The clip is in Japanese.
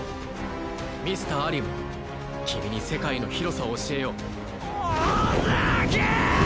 ミスターアリウム君に世界の広さを教えようほざけ！